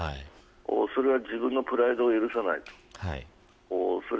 それは自分のプライドが許さないと思います。